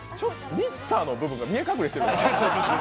ミスターの部分が見え隠れしてんのよ。